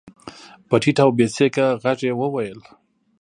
په ټيټ او بې سېکه غږ يې وويل.